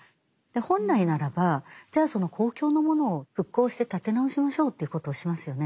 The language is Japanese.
本来ならばじゃあその公共のものを復興して立て直しましょうということをしますよね。